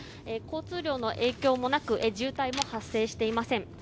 交通量の影響もなく、渋滞も発生していません。